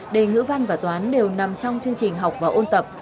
đề ngữ văn và toán đều nằm trong chương trình học và ôn tập